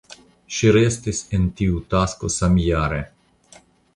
Ŝi restis en tiu tasko samjare.